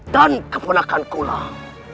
dan keponakan kulah